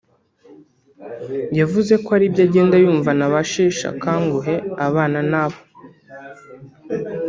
yavuze ko ari ibyo agenda yumvana abasheshakanguhe abana nabo